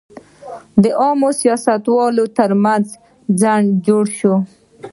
دا عامل د سیاستوالو تر منځ خنډ جوړوي.